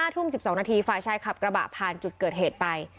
ทุ่ม๑๒นาทีฝ่ายชายขับกระบะผ่านจุดเกิดเหตุไป